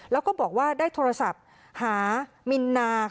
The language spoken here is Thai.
แล้วก็บอกว่าได้โทรศัพท์หามินนา